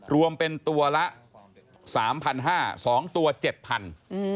รวมเป็นตัวละ๓๕๐๐๒ตัว๗๐๐บาท